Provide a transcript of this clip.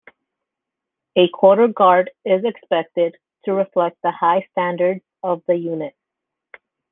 A Quarter Guard is expected to reflect the high standards of the unit.